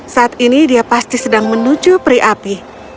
saat ini dia pasti sedang menuju peri api